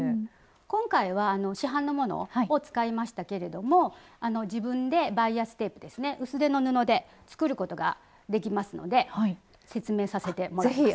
今回は市販のものを使いましたけれども自分でバイアステープですね薄手の布で作ることができますので説明させてもらいます。